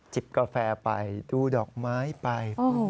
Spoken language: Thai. กาแฟไปดูดอกไม้ไป